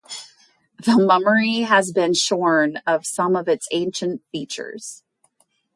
The mummery has been shorn of some of its ancient features.